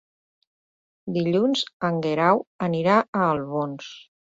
Dilluns en Guerau anirà a Albons.